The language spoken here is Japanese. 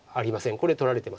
これ取られてますから。